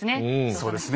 そうですね。